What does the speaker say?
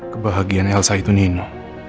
kebahagiaan elsa itu nino